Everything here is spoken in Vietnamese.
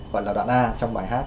gọi là đoạn a trong bài hát